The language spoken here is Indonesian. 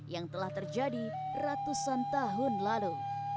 yang telah terjadi ratusan tahun lalu